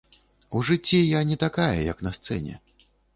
У жыцці я не такая як на сцэне.